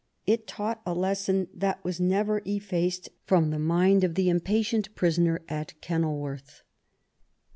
It taught a lesson that was never eff'aced from the mind of the impatient prisoner at Kenilworth.